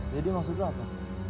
jadi maksudnya apa